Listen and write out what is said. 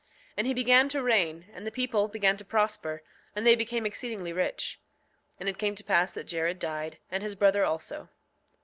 6:28 And he began to reign, and the people began to prosper; and they became exceedingly rich. 6:29 And it came to pass that Jared died, and his brother also.